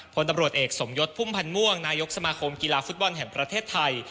พลตำรวจเอกสมยศพุ่มพันธ์ม่วงนายกสมาคมกีฬาฟุตบอลแห่งประเทศไทย